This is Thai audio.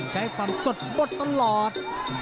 ใช้ความสดบดตลอด